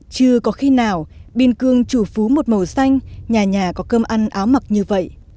chưa có khi nào biên cương chủ phú một màu xanh nhà nhà có cơm ăn áo mặc như vậy